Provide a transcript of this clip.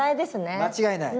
間違いない。